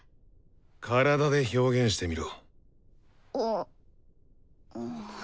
体で表現してみろ。